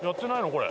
これ。